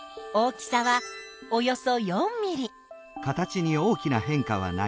大きさはおよそ１ｃｍ。